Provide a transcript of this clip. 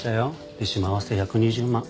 利子も合わせて１２０万。